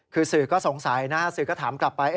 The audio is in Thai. คือสื่อก็สงสัยนะสื่อก็ถามกลับไป